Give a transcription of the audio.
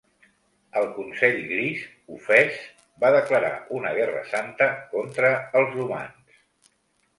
El Consell Gris, ofès, va declarar una guerra santa contra els humans.